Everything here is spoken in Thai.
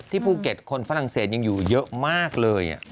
ภูเก็ตคนฝรั่งเศสยังอยู่เยอะมากเลย